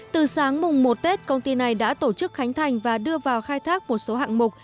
từ sáng mùng một tết công ty này đã tổ chức khánh thành và đưa vào khai thác một số hạng mục